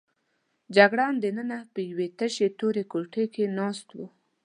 جګړن دننه په یوې تشې تورې کوټې کې ناست و.